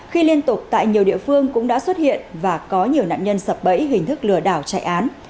khi liên tục tại nhiều địa phương cũng đã xuất hiện và có nhiều nạn nhân sập bẫy hình thức lừa đảo chạy án